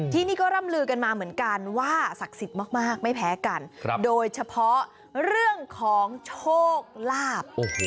ที่นี่ก็ร่ำลือกันมาเหมือนกันว่าศักดิ์สิทธิ์มากไม่แพ้กันโดยเฉพาะเรื่องของโชคลาภ